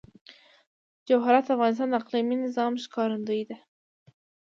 جواهرات د افغانستان د اقلیمي نظام ښکارندوی ده.